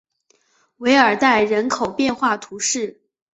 韦尔代人口变化图示